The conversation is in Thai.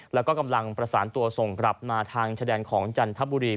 แล้วก็กำลังประสานตัวส่งกลับมาทางชะแดนของจันทบุรี